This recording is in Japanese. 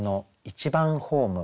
一番ホーム。